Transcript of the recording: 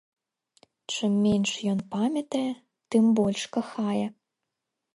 Чым менш ён памятае, тым больш кахае.